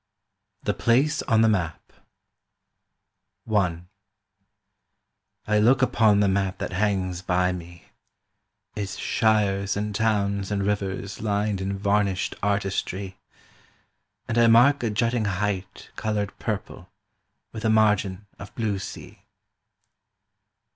THE PLACE ON THE MAP I I LOOK upon the map that hangs by me— Its shires and towns and rivers lined in varnished artistry— And I mark a jutting height Coloured purple, with a margin of blue sea.